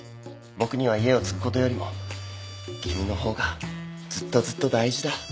僕には家を継ぐことよりも君の方がずっとずっと大事だ。